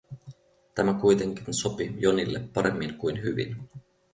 Tämä kuitenkin sopi Jonille paremmin kuin hyvin.